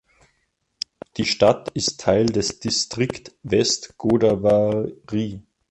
Die Stadt ist Teil des Distrikt West Godavari.